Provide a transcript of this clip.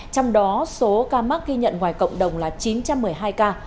trong đó số ca mắc ghi nhận ngoài cộng đồng là chín trăm một mươi hai ca